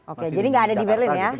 oke jadi nggak ada di berlin ya